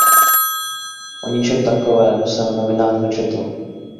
O ničem takovém jsem v novinách nečetl.